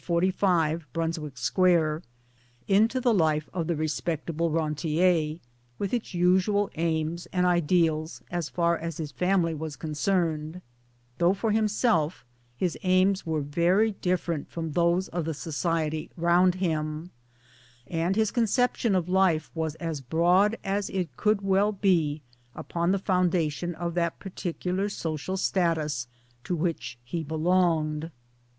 '45 Brunswick Square) into the life of the respectable rentier, with its usual aims and ideals as far as his family was concerned, though for himself his aims were very different from' those of the society round him, and his conception of life was as broad as it could well be upon the foundation of that par ticular social status to which he belonged.